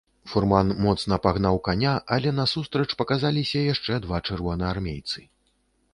Фурман моцна пагнаў каня, але насустрач паказаліся яшчэ два чырвонаармейцы.